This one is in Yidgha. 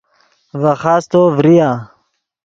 ڤے خاستو ڤریا